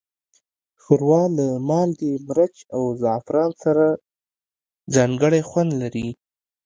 ښوروا له مالګې، مرچ، او زعفران سره ځانګړی خوند لري.